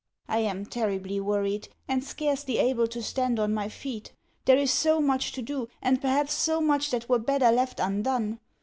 I am terribly worried, and scarcely able to stand on my feet. There is so much to do, and, perhaps, so much that were better left undone!